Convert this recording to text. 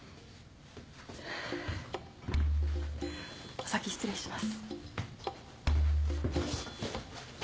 お先失礼します。